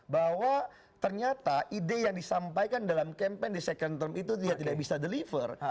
bahwa ternyata ide yang disampaikan dalam campaign di second term itu dia tidak bisa deliver